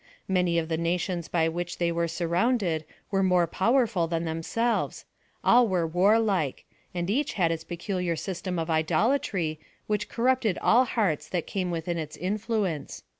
Many of the nations by which they were surrounded were more powerful than themselves ; all were warlike ; and each had its peculiar system of idolatry, which corrupted all hearts that came within its influence.